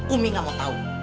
umi gak mau tau